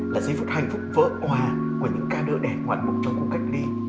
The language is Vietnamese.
là giây phút hạnh phúc vỡ hoà của những ca đỡ đẻ ngoạn bụng trong khu cách ly